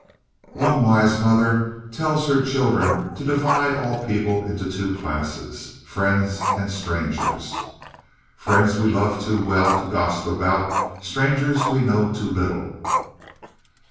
"One wise mother tells her children to divide all people into two classes friends and strangers. Friends we love too well to gossip about; strangers we know too little.